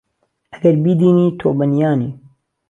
ئەگهر بیدینی تۆ به نییانی